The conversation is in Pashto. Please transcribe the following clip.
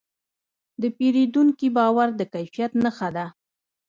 د پیرودونکي باور د کیفیت نښه ده.